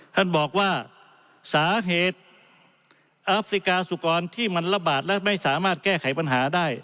ท่านบอกว่าสาเหตุอัฟริกาสุกรที่มันระบาดและไม่สามารถแก้ไขปัญหาได้